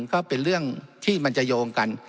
ก็เป็นเรื่องที่มันจะโยงกัน